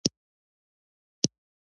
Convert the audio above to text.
د واده په اړه دې پوښتنه نه ځنې وکړه؟